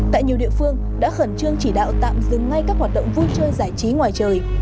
tại nhiều địa phương đã khẩn trương chỉ đạo tạm dừng ngay các hoạt động vui chơi giải trí ngoài trời